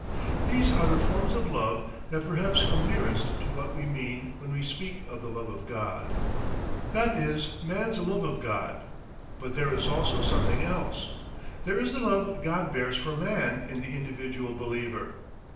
These are the forms of love that perhaps come nearest to what we mean when we speak of the love of God. That is man's love of God, but there is also something else; there is the love God bears for man in the individual believer.